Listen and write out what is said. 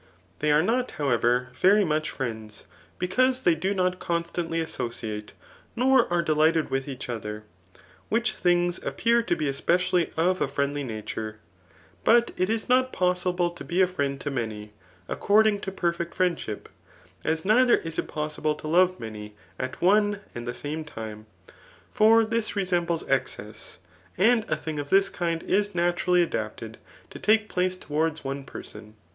They are not, however, very much friends, because they do not constantly associate, nor are delighted with each other ; which things appear to be especially of a friendly nature. But it is not pos^le to be a friend to many, according to perfect friendship, as neither is it possible to love many at one and the same time ; for this resembles excess ; and ^ thing of this kind is naturally adapted to take place tov^rar^ls one person.